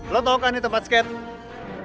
lo tau kan ini tempat skate